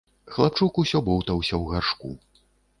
Хлапчук усё боўтаўся ў гаршку.